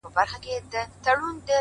پرېږده د مينې کاروبار سره خبرې کوي!